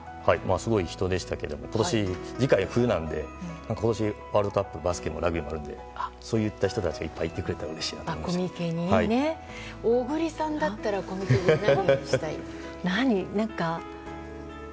すごい人でしたが今年、次回は冬なので今年、ワールドカップバスケもラグビーのあるのでそういった人たちがいっぱい行ってくれたら小栗さんだったらコミケで何をしたい？